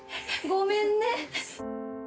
ごめんね。